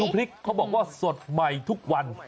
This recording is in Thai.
พริกเขาบอกว่าสดใหม่ทุกวัน